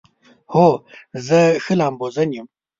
هو، زه ښه لامبوزن یم